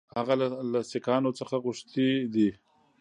هغه له سیکهانو څخه غوښتي دي.